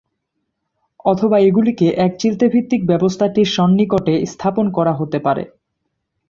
অথবা এগুলিকে এক চিলতে-ভিত্তিক ব্যবস্থাটির সন্নিকটে স্থাপন করা হতে পারে।